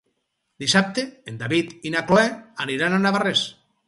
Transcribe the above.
Dissabte en David i na Cloè aniran a Navarrés.